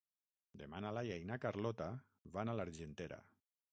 Demà na Laia i na Carlota van a l'Argentera.